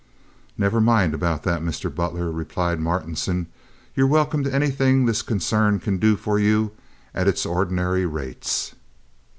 "Never mind about that, Mr. Butler," replied Martinson. "You're welcome to anything this concern can do for you at its ordinary rates."